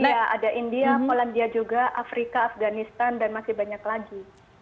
iya ada india polandia juga afrika afganistan dan masih banyak lagi